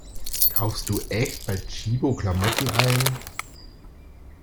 Kaufst du echt bei Tchibo Klamotten ein?